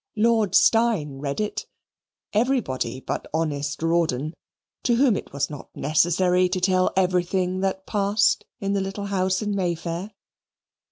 Lord Steyne read it, everybody but honest Rawdon, to whom it was not necessary to tell everything that passed in the little house in May Fair.